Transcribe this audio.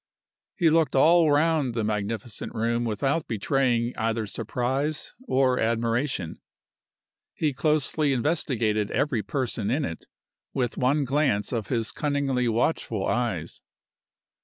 He looked all round the magnificent room without betraying either surprise or admiration. He closely investigated every person in it with one glance of his cunningly watchful eyes.